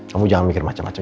kamu jangan mikir macam macam